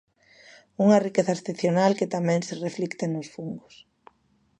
Unha riqueza excepcional que tamén se reflicte nos fungos.